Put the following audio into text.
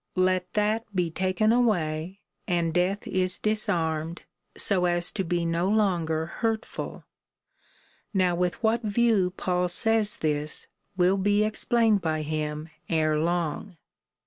Let that be taken away, and death is disarmed, so as to be no longer hurtful. Now with what view Paul says this, will be explained by him ere long.